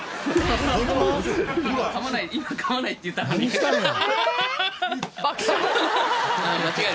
今噛まないって言ったのに。